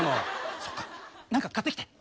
そっか何か買ってきて！